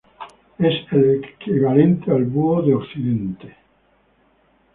Es el equivalente al búho de occidente.